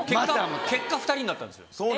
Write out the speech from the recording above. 結果２人になったんですよ。